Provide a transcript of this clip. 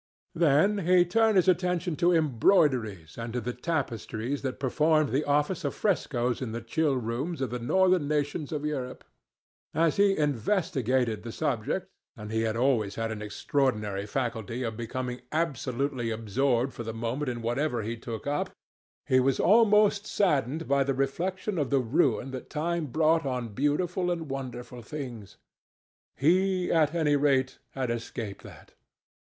Then he turned his attention to embroideries and to the tapestries that performed the office of frescoes in the chill rooms of the northern nations of Europe. As he investigated the subject—and he always had an extraordinary faculty of becoming absolutely absorbed for the moment in whatever he took up—he was almost saddened by the reflection of the ruin that time brought on beautiful and wonderful things. He, at any rate, had escaped that.